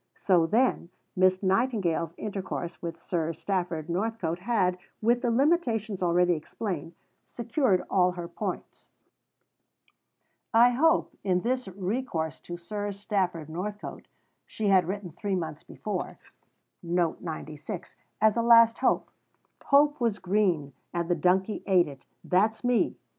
So, then, Miss Nightingale's intercourse with Sir Stafford Northcote had, with the limitations already explained, secured all her points. For its title, etc., see Bibliography A, No. 52. "I hope, in this recourse to Sir Stafford Northcote," she had written three months before, "as a last hope. Hope was green, and the donkey ate it (that's me)."